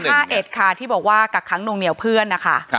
ปี๕๑ค่ะที่บอกว่ากักคั้งโดงเหนียวเพื่อนนะคะ